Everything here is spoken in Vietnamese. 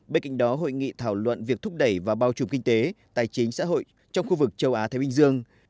bên cạnh đó hội nghị thảo luận việc thúc đẩy và bao trùm kinh tế tài chính xã hội trong khu vực châu á thái bình dương